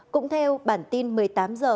cũng theo bản tin một mươi tám h